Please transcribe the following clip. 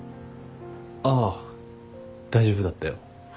ああ大丈夫だったよ。